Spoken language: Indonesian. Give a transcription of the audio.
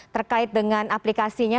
terkait dengan aplikasinya